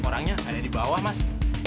orangnya ada di bawah mas